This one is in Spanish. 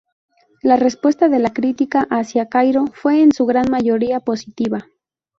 La respuesta de la crítica hacia "Kairo" fue en su gran mayoría positiva.